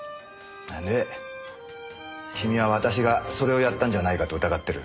で君は私がそれをやったんじゃないかと疑ってる。